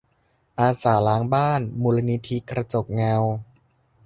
อาสาล้างบ้าน มูลนิธิกระจกเงา